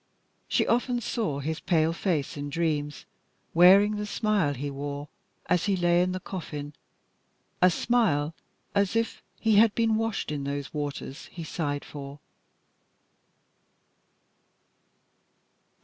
She often saw his pale face in dreams, wearing the smile he wore as he lay in the coffin, a smile as if he had been washed in those waters he sighed for.